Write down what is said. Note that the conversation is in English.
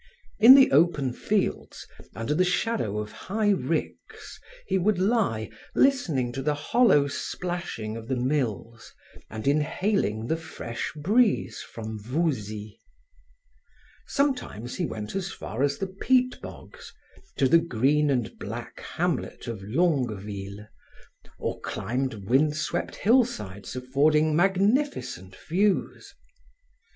In the open fields, under the shadow of high ricks, he would lie, listening to the hollow splashing of the mills and inhaling the fresh breeze from Voulzie. Sometimes he went as far as the peat bogs, to the green and black hamlet of Longueville, or climbed wind swept hillsides affording magnificent views.